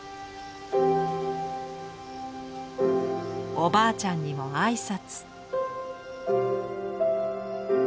おばあちゃんにも挨拶。